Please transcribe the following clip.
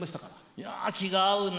いや気が合うね！